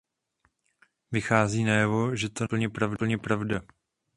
Vychází najevo, že to není tak úplně pravda.